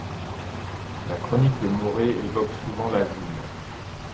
La chronique de Morée évoque souvent la ville.